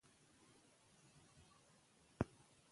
دوی بیا کولی سي په مؤثره توګه ټولنه رهبري کړي.